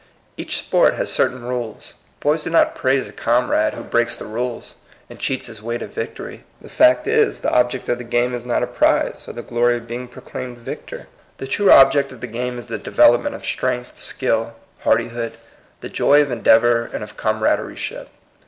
Each sport has cer tain rules. Boys do not praise a comrade who breaks the rules, and cheats his way to victory. The fact is, the object of the game is not a prize, or the glory of being proclaimed victor. The true object of the game is the development of strength, skill, hardihood, the joy of endeavor and of com radeship.